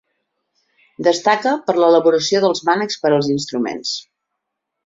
Destaca per l'elaboració dels mànecs per als instruments.